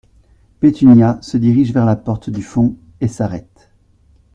Pétunia , se dirige vers la porte du fond et s’arrête.